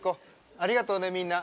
ありがとうねみんな。